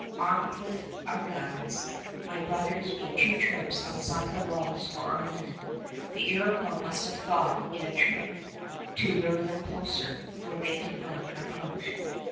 Armed with our guns, my brothers made two trips outside the walls for our linen. The Iroquois must have thought it a trick to lure them closer, for they did not approach.